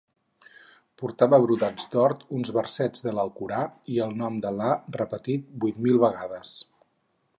Portava brodats d'or uns versets de l'Alcorà i el nom d'Al·là repetit vuit mil vegades.